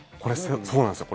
そうなんですよ。